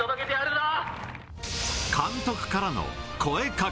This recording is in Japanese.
監督からの声かけ。